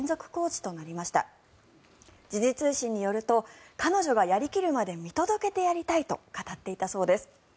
時事通信によると彼女はやり切るまで見届けたいと語っていたそうです。